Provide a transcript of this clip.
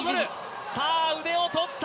さあ、腕を取った！